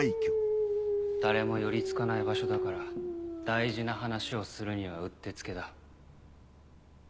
誰も寄り付かない場所だから大事な話をするにはうってつけだ。